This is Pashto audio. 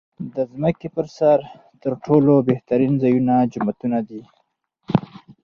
د ځمکې پر سر تر ټولو بهترین ځایونه جوماتونه دی .